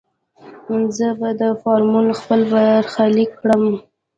زه به دا فورمول خپل برخليک کړم.